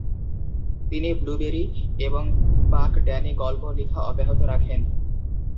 তিনি ব্লুবেরি এবং Buck Danny গল্প লিখা অব্যাহত রাখেন।